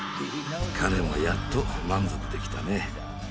彼もやっと満足できたね。